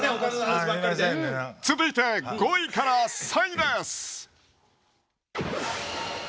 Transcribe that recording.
続いて５位から３位です。